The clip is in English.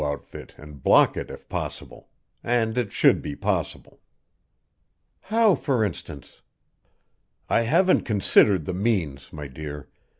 outfit and block it if possible and it should be possible." "How, for instance?" "I haven't considered the means, my dear.